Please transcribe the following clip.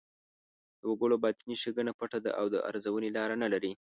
د وګړو باطني ښېګڼه پټه ده او د ارزونې لاره نه لري.